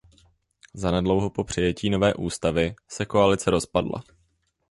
Zanedlouho po přijetí nové ústavy se koalice rozpadla.